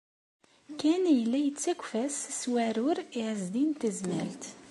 Ken yella yettakf-as s weɛrur i Ɛezdin n Tezmalt.